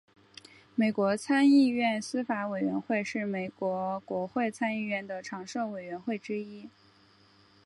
美国参议院司法委员会是美国国会参议院的常设委员会之一。